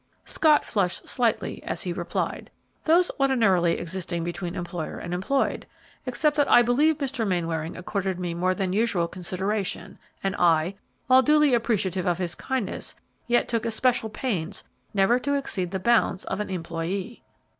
Scott flushed slightly as he replied, "Those ordinarily existing between employer and employed, except that I believe Mr. Mainwaring accorded me more than usual consideration, and I, while duly appreciative of his kindness, yet took especial pains never to exceed the bounds of an employee."